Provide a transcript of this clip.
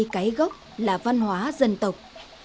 cái gốc là văn hóa dân tộc